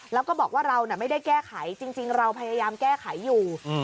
แล้วก็บอกว่าเราไม่ได้แก้ไขจริงเราพยายามแก้ไขอยู่